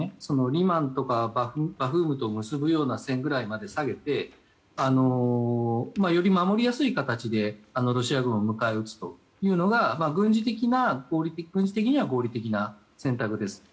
リマンとかバフムトくらいの線ぐらいまで下げてより守りやすい形でロシア軍を迎え撃つというのが軍事的には合理的な選択です。